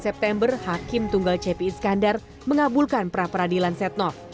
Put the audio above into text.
dua puluh sembilan september hakim tunggal cp iskandar mengabulkan perapradilan setnoff